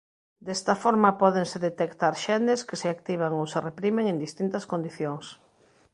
Desta forma pódense detectar xenes que se activan ou se reprimen en distintas condicións.